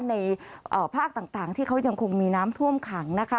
ในภาคต่างที่เขายังคงมีน้ำท่วมขังนะคะ